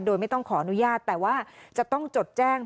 โดยไม่ต้องขออนุญาตแต่ว่าจะต้องจดแจ้ง